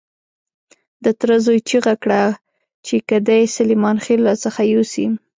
د تره زوی چیغه کړه چې که دې سلیمان خېل را څخه يوسي.